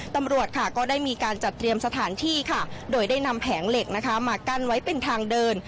ตำรวจค่ะก็ได้มีการจัดเตรียมสถานที่ค่ะโดยได้นำแผงเหล็กนะคะมากั้นไว้เป็นทางเดิน